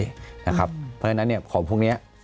เพราะฉะนั้นของพวกนี้